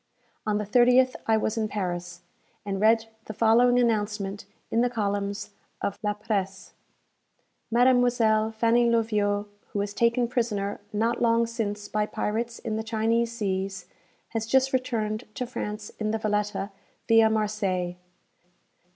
On the 30th I was in Paris, and read the following announcement in the columns of La Presse: "Mademoiselle Fanny Loviot, who was taken prisoner not long since by pirates in the Chinese seas, has just returned to France in the 'Valetta,' via Marseilles."